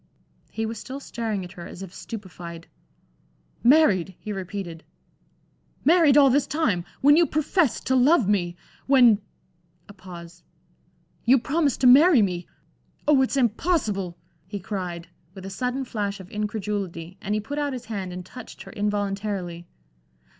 He was still staring at her as if stupefied. "Married!" he repeated, "married all this time! when you professed to love me! When" a pause "you promised to marry me! Oh, it's impossible," he cried, with a sudden flash of incredulity, and he put out his hand and touched her involuntarily.